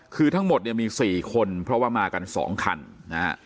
คือทั้งหมดเนี่ยมี๔คนเพราะว่ามากัน๒คันนะฮะ